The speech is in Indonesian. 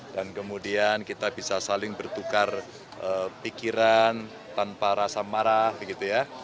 dan kemudian kita bisa saling bertukar pikiran tanpa rasa marah